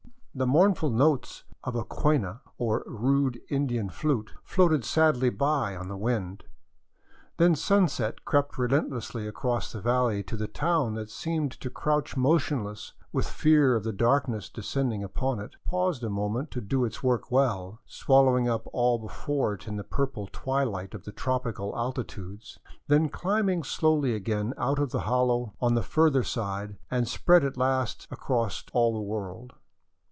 The mournful notes of a quena, or rude Indian flute, floated sadly by on the wind. Then sunset crept relentlessly across the valley to the town that seemed to crouch motionless with fear of the darkness descending upon it, paused a moment to do its work well, swallowing up all before it in the purple twilight of tropical altitudes, then climbed slowly again out of the hollow on the further side and spread at last across all the world.